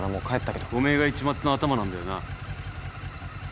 おめえが市松のアタマなんだよな？